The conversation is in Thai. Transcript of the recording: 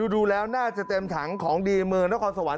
ดูแล้วน่าจะเต็มถังของดีเมืองนครสวรรค